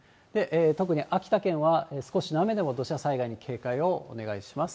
特に秋田県は少しの雨でも土砂災害に警戒をお願いします。